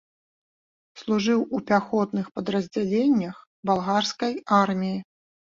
Служыў у пяхотных падраздзяленнях балгарскай арміі.